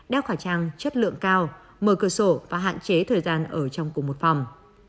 đeo khẩu trang chất lượng cao mở cửa sổ và hạn chế thời gian ở trong cùng một phòng